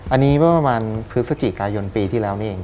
อันนี้เมื่อประมาณพฤศจิกายนปีที่แล้วนี่เอง